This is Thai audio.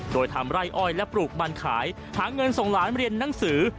โดยทำไร่อ้อยและปลูกมันขายหาเงินส่งหลานเรียนหนังสือ